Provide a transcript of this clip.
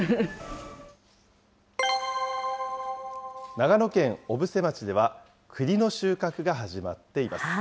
長野県小布施町ではくりの収穫が始まっています。